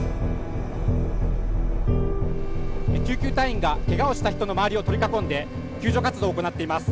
救急隊員がけがをした人の周りを取り囲んで救助活動を行っています。